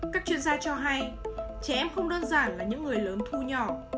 các chuyên gia cho hay trẻ em không đơn giản là những người lớn thu nhỏ